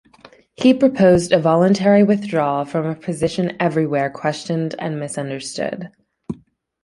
He proposed a voluntary withdrawal from a position everywhere questioned and misunderstood.